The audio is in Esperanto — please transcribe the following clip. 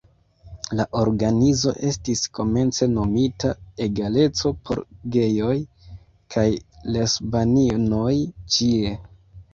La organizo estis komence nomita "Egaleco por gejoj kaj lesbaninoj ĉie".